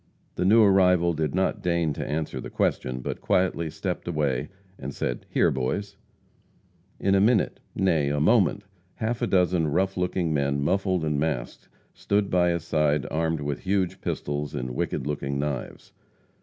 The new arrival did not deign to answer the question, but quietly stepped away, and said: "Here, boys." In a minute nay, a moment half a dozen rough looking men, muffled and masked, stood by his side, armed with huge pistols and wicked looking knives.